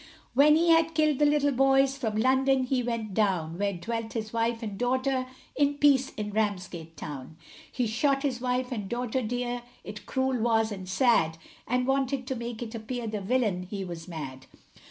When he had killed the little boys, from London he went down, Where dwelt his wife and daughter, in peace, in Ramsgate town. He shot his wife and daughter dear, it cruel was, and sad, And wanted to make it appear the villian, he was mad.